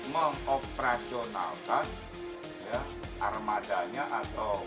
mengoperasionalkan armadanya atau